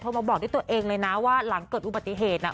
มาบอกด้วยตัวเองเลยนะว่าหลังเกิดอุบัติเหตุน่ะ